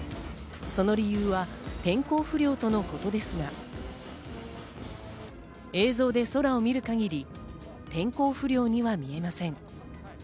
その理由は天候不良とのことですが、映像で空を見る限り、天候不良には見えません。